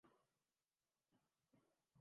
اوریہ وہ جو اتا ترک ترکی میں لایا۔